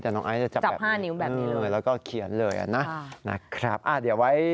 แต่น้องไอซ์จะจับแบบนี้แล้วก็เขียนเลยนะนะครับอ่ะเดี๋ยวไว้